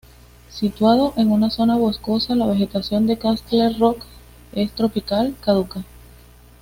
Situado en una zona boscosa, la vegetación de Castle Rock es tropical caduca.